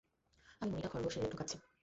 আমি মণিটা খরগোশে ঢোকাচ্ছি।